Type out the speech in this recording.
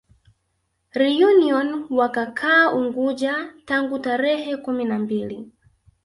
Reunion wakakaa Unguja tangu tarehe kumi na mbili